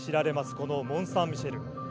このモンサンミシェル。